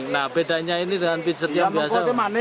nah bedanya ini dengan pizzat yang biasa